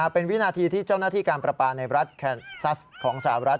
เป็นวินาทีที่เจ้าหน้าที่การประปาในรัฐแคนซัสของสหรัฐ